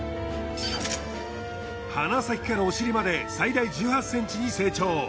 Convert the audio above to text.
鼻先からお尻まで最大１８ｃｍに成長。